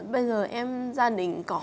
bây giờ em gia đình có